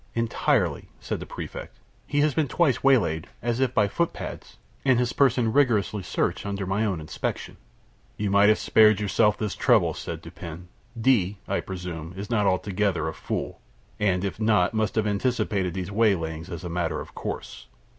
"Entirely," said the Prefect. "He has been twice waylaid, as if by footpads, and his person rigidly searched under my own inspection." "You might have spared yourself this trouble," said Dupin. "D , I presume, is not altogether a fool; and, if not, must have anticipated these waylayings, as a matter of course."